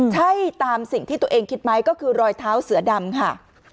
ใช่ตามสิ่งที่ตัวเองคิดไหมก็คือรอยเท้าเสือดำค่ะ